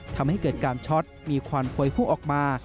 ทำให้เกิดการช็อตมีควันพวยพุ่งออกมา